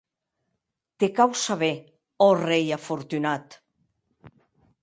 Te cau saber, ò rei afortunat!